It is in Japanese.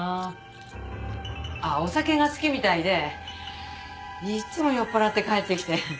あっお酒が好きみたいでいつも酔っ払って帰ってきて。